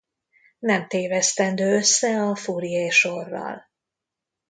Nem tévesztendő össze a Fourier-sorral.